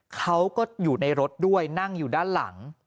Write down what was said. เขาก็อยู่ในรถด้วยนั่งอยู่ด้านหลัง